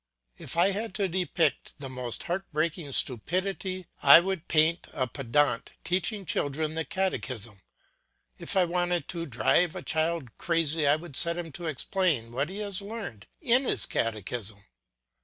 If I had to depict the most heart breaking stupidity, I would paint a pedant teaching children the catechism; if I wanted to drive a child crazy I would set him to explain what he learned in his catechism.